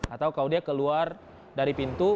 atau kalau dia keluar dari pintu